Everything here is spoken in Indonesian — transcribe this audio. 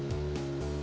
ah baru juga cautanya